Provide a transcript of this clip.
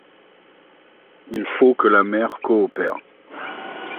Il faut que la mer coopère.